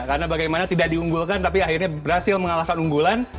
karena bagaimana tidak diunggulkan tapi akhirnya berhasil mengalahkan unggulan